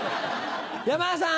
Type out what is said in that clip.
山田さん